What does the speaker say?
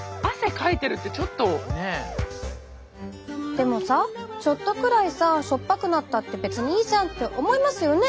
でもさちょっとくらいさ塩っぱくなったって別にいいじゃん！って思いますよね？